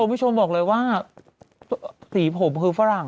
พี่โชมน์บอกเลยว่าสีผมคือฝรั่ง